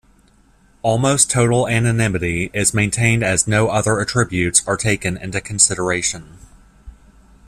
Almost total anonymity is maintained as no other attributes are taken into consideration.